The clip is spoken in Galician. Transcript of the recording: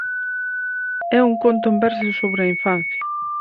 É un conto en verso sobre a infancia.